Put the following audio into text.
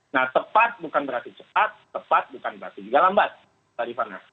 nah tepat bukan berarti cepat tepat bukan berarti juga lambat mbak rifana